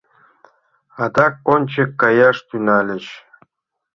Адак ончык каяш тӱҥальыч.